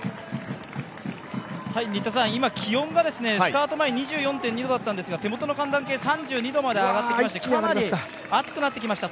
今、気温がスタート前２４．２度だったんですが、手元の寒暖計３２度まで上がって、かなり暑くなってきました。